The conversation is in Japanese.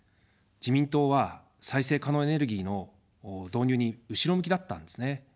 自民党は再生可能エネルギーの導入に後ろ向きだったんですね。